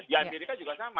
di amerika juga sama